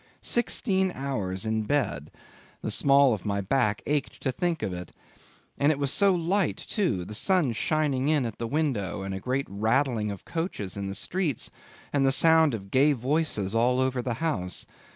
Sixteen hours in bed! the small of my back ached to think of it. And it was so light too; the sun shining in at the window, and a great rattling of coaches in the streets, and the sound of gay voices all over the house.